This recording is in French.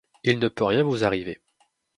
Il ne peut rien vous arriver.